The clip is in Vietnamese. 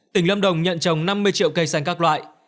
tỉnh lâm đồng nhận trồng năm mươi triệu cây xanh các loại